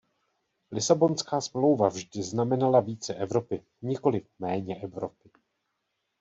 Lisabonská smlouva vždy znamenala více Evropy, nikoli méně Evropy.